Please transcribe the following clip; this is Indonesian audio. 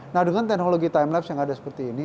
nah dengan teknologi time lapse yang ada seperti ini